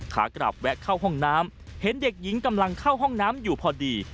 ขากลับแวะเข้าห้องน้ำเห็นเด็กหญิงกำลังเข้าห้องน้ำอยู่พอดี